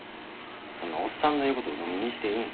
そんなおっさんの言うことうのみにしていいん？